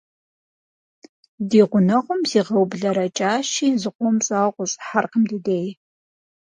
Ди гъунэгъум зигъэублэрэкӀащи, зыкъом щӀауэ къыщӀыхьэркъым ди дей.